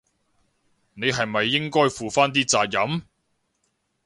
你係咪應該負返啲責任？